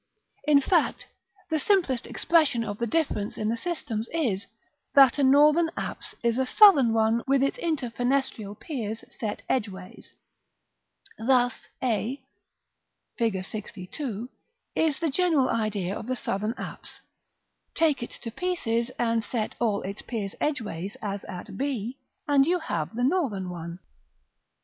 In fact, the simplest expression of the difference in the systems is, that a northern apse is a southern one with its inter fenestrial piers set edgeways. Thus, a, Fig. XLII., is the general idea of the southern apse; take it to pieces, and set all its piers edgeways, as at b, and you have the northern one.